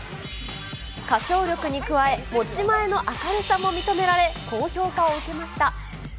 歌唱力に加え、持ち前の明るさも認められ、高評価を受けました。